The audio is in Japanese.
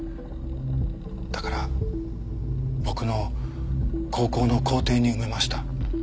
だから僕の高校の校庭に埋めました。